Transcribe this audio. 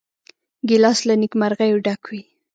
ګیلاس له نیکمرغیو ډک وي.